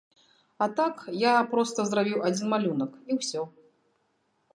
А так я проста зрабіў адзін малюнак і ўсё.